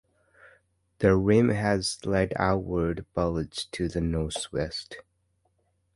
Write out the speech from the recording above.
The rim has a slight outward bulge to the northwest.